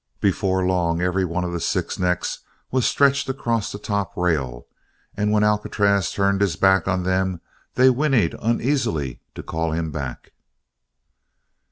Before long every one of the six necks was stretched across the top rail and when Alcatraz turned his back on them they whinnied uneasily to call him back.